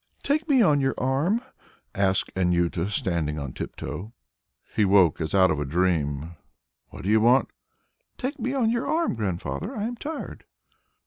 "Take me on your arm," asked Anjuta, standing on tiptoe. He awoke as out of a dream. "What do you want?" "Take me on your arm, Grandfather. I am tired."